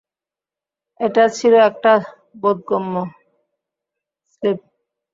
এটা ছিল একটা বোধগম্য স্লিপ।